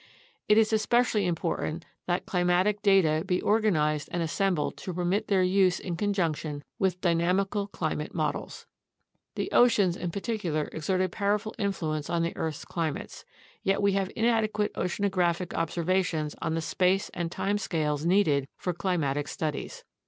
It is especially important that climatic data be organized and assembled to permit their use in conjunction with dynamical climate models. The oceans in particular exert a powerful influence on the earth's climates, yet we have inadequate oceanographic observations on the space and time scales needed for climatic studies.